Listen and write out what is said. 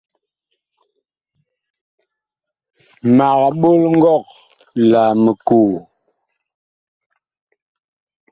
Mag ɓol ngɔg la mikoo.